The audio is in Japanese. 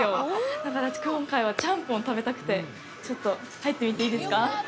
だから、今回はチャンポンを食べたくてちょっと入ってみていいですか。